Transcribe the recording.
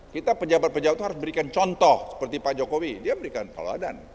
kita pejabat pejabat itu harus berikan contoh seperti pak jokowi dia berikan keladan